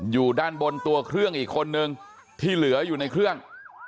อยู่ด้านบนตัวเครื่องอีกคนนึงที่เหลืออยู่ในเครื่อง